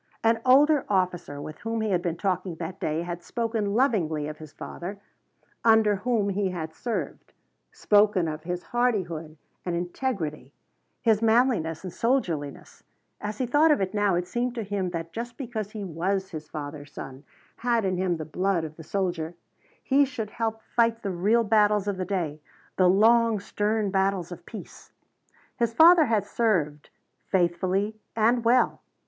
An older officer with whom he had been talking that day had spoken lovingly of his father, under whom he had served; spoken of his hardihood and integrity, his manliness and soldierliness. As he thought of it now it seemed to him that just because he was his father's son had in him the blood of the soldier he should help fight the real battles of the day the long stern battles of peace. His father had served, faithfully and well.